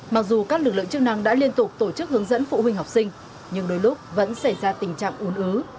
mặc dù các lực lượng chức năng đã liên tục tổ chức hướng dẫn phụ huynh học sinh nhưng đôi lúc vẫn xảy ra tình trạng ồn ứ